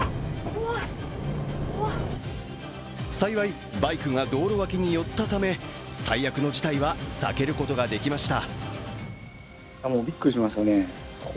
幸い、バイクが道路脇に寄ったため最悪の事態は避けることができました。